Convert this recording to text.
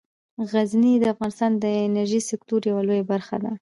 غزني د افغانستان د انرژۍ د سکتور یوه لویه برخه ده.